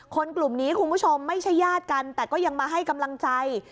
กลุ่มนี้คุณผู้ชมไม่ใช่ญาติกันแต่ก็ยังมาให้กำลังใจ